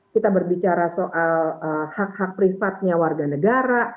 kita berbicara soal hak hak privatnya warga negara